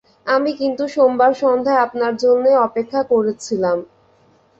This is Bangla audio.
আমি কিন্তু সোমবার সন্ধ্যায় আপনার জন্যে অপেক্ষা করছিলাম।